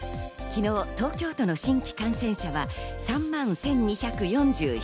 昨日、東京都の新規感染者は３万１２４７人。